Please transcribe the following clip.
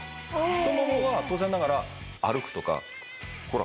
太ももは当然ながら歩くとかほら。